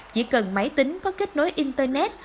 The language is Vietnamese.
chỉ cần máy tính có kết nối internet